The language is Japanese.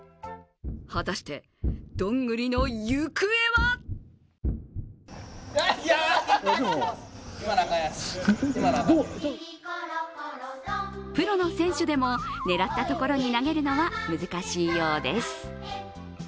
果たして、どんぐりの行方はプロの選手でも狙った所に投げるのは難しいようです。